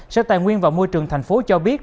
sở tài nguyên và môi trường tp hcm cho biết